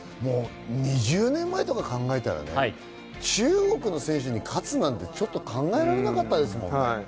２０年までとか考えたら中国の選手に勝つってちょっと考えられなかったですもんね。